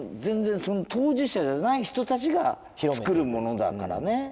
全然その当事者じゃない人たちがつくるものだからね。